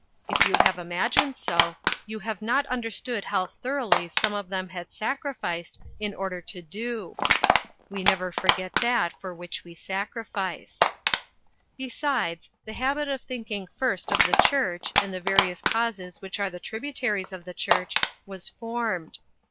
If you have imagined so, you have not understood how thoroughly some of them had sacrificed in order to do. We never forget that for which we sacrifice. Besides, the habit of thinking first of the church, and the various causes which are the tributaries of the church, was formed.